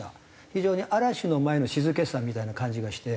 非常に嵐の前の静けさみたいな感じがして。